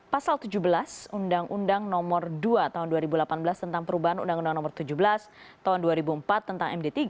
pasal tujuh belas undang undang nomor dua tahun dua ribu delapan belas tentang perubahan undang undang nomor tujuh belas tahun dua ribu empat tentang md tiga